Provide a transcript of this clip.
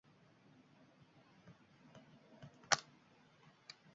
Kuzgi obrazlar qulay va o‘ziga xos ko‘rinishiga yordam beradiganbeshtavsiya